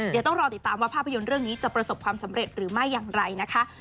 เดี๋ยวต้องรอติดตามว่าภาพยนตร์เรื่องนี้จะประสบความสำเร็จหรือไม่อย่างไรนะคะ